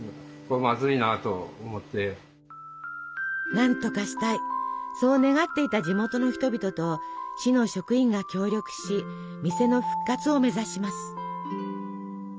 何とかしたいそう願っていた地元の人々と市の職員が協力し店の復活を目指します。